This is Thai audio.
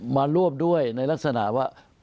มาร่วมด้วยในลักษณะว่า